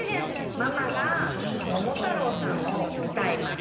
ママが「ももたろうさん」をうたいます。